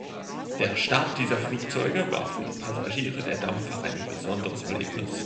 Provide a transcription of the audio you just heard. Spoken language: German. Der Start dieser Flugzeuge war für die Passagiere der Dampfer ein besonderes Erlebnis.